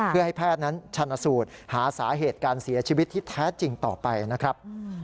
เพื่อให้แพทย์นั้นชันสูตรหาสาเหตุการเสียชีวิตที่แท้จริงต่อไปนะครับ